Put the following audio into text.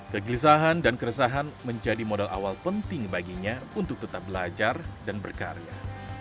kegelisahan dan keresahan menjadi modal awal penting baginya untuk tetap belajar dan berkarya